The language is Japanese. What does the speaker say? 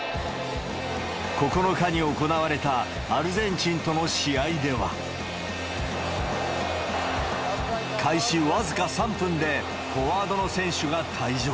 ９日に行われたアルゼンチンとの試合では、開始僅か３分で、フォワードの選手が退場。